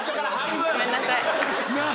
ごめんなさい。なぁ